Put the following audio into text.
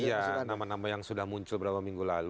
iya nama nama yang sudah muncul beberapa minggu lalu